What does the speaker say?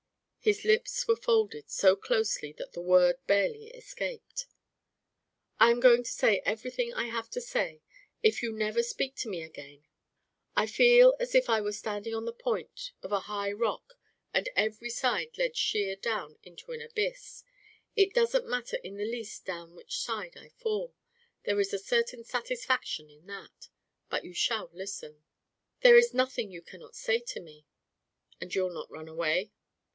His lips were folded so closely that the word barely escaped. "I am going to say everything I have to say, if you never speak to me again. I feel as if I were standing on the point of a high rock and every side led sheer down into an abyss. It doesn't matter in the least down which side I fall. There is a certain satisfaction in that. But you shall listen." "There is nothing you cannot say to me." "And you'll not run away."